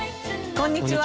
こんにちは。